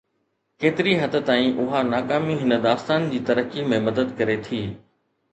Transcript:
ڪيتري حد تائين اها ناڪامي هن داستان جي ترقي ۾ مدد ڪري ٿي؟